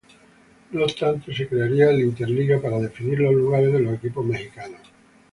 No obstante, se crearía el InterLiga para definir los lugares de los equipos mexicanos.